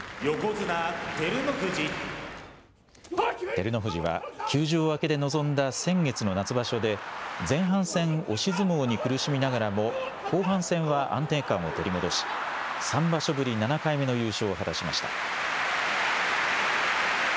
照ノ富士は、休場明けで臨んだ先月の夏場所で、前半戦、押し相撲に苦しみながらも後半戦は安定感を取り戻し、３場所ぶり７回目の優勝を果たしました。